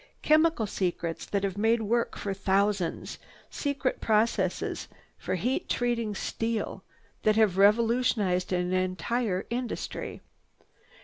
"Chemical secrets that have made work for thousands, secret processes for heat treating steel that have revolutionized an entire industry."